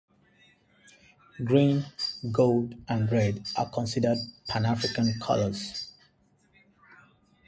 Green, gold and red are considered Pan-African colors.